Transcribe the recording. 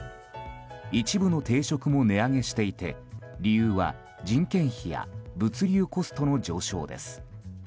一部の定食も値上げしていて理由は、人件費や物流コストの上昇です。